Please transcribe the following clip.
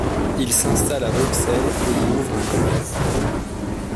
Il s'installe à Bruxelles et y ouvre un commerce.